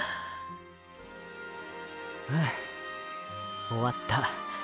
うん終わった。